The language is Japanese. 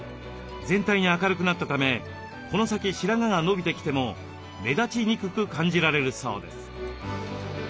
全体に明るくなったためこの先白髪が伸びてきても目立ちにくく感じられるそうです。